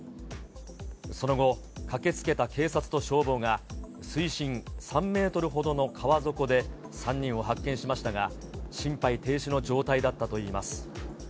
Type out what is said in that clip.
その後、駆けつけた警察と消防が、水深３メートルほどの川底で３人を発見しましたが、心肺停止の状態だったといいます。